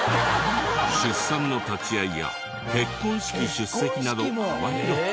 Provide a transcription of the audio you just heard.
出産の立ち合いや結婚式出席など幅広く。